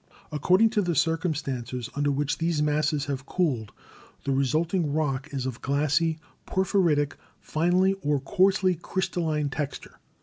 According to the circumstances under which these masses have cooled the STRUCTURAL GEOLOGY 179 resulting rock is of glassy, porphyritic, finely or coarsely crystalline texture.